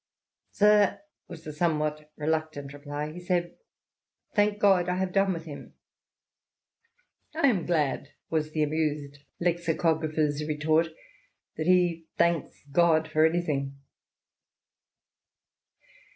Sir," was the somewhat reluctant reply, " he said, * Thank God, I have done with him I '"" I am glad," was the amused lexicographer's retort, " that he thanks God for anything."